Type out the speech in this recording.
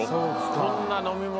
こんな飲み物